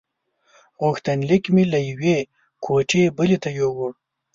غوښتنلیک مې له یوې کوټې بلې ته یووړ.